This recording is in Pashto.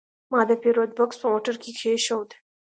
ما د پیرود بکس په موټر کې کېښود.